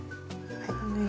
はい。